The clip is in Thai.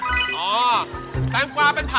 การตอบคำถามแบบไม่ตรงคำถามนะครับ